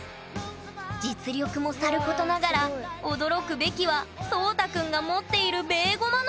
実力もさることながら驚くべきはそうた君が持っているベーゴマの数！